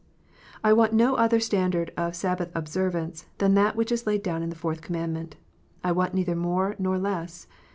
I want no other standard of Sabbath observance than th.it which is laid down in the Fourth Commandment. I want neither more nor less.